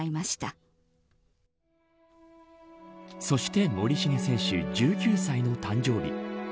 そして森重選手１９歳の誕生日。